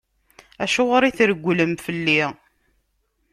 Acuɣer i tregglem fell-i?